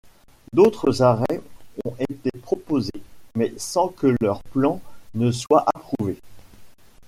D’autres arrêts ont été proposés mais sans que leurs plans ne soient approuvés.